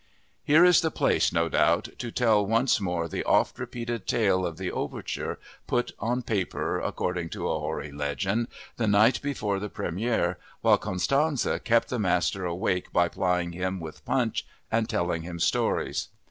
Here is the place, no doubt, to tell once more the oft repeated tale of the overture, put on paper, according to a hoary legend, the night before the première while Constanze kept the master awake by plying him with punch and telling him stories.